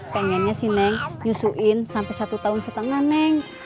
pengennya sih neng nyusuin sampai satu tahun setengah neng